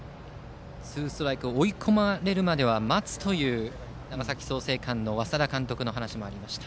ツーストライクと追い込まれるまでは待つという長崎・創成館の稙田監督の話もありました。